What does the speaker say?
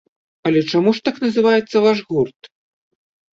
Але чаму ж так называецца ваш гурт?